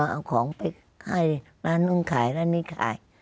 เอาของไปให้ร้านนู้นขายร้านนี้ขาย